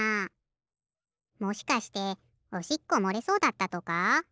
もしかしておしっこもれそうだったとか？